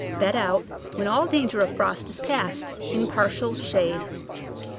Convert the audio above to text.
Bed out, when all danger of frost is past, in partial shade.